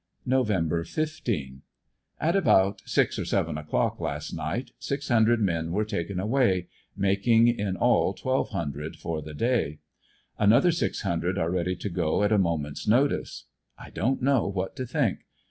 Nov. 15. — At about six or seven o'clock last ni^iht six hundred men were taken away, making in all twelve hundred for the day; ANDERSONVILLE DIARY. 117 another six hundred are ready to go at a moment's notice. I don't know what to think.